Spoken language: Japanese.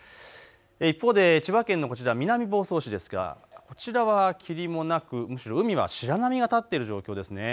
一方で千葉県のこちら南房総市ですが、こちらは霧もなく、むしろ海は白波が立っている状況ですね。